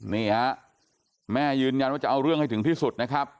นี่ฮะแม่ยืนยันว่าจะเอาเรื่องให้ถึงที่สุดนะครับ